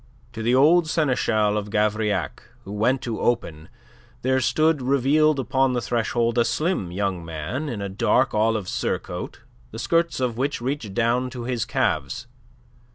To the old seneschal of Gavrillac who went to open there stood revealed upon the threshold a slim young man in a dark olive surcoat, the skirts of which reached down to his calves.